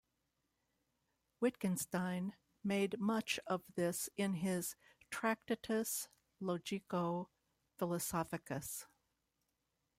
Wittgenstein made much of this in his Tractatus Logico-Philosophicus.